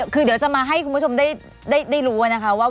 คือเดี๋ยวจะมาให้คุณผู้ชมได้รู้นะคะว่า